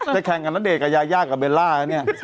จะแข่งอันดีตกับยายากับเบลล่าเนี่ย